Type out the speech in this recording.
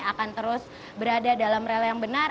akan terus berada dalam rel yang benar